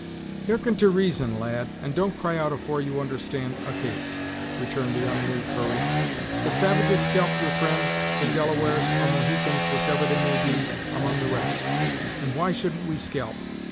"Hearken to reason, lad, and don't cry out afore you understand a case," returned the unmoved Hurry; "the savages scalp your fri'nds, the Delawares, or Mohicans whichever they may be, among the rest; and why shouldn't we scalp?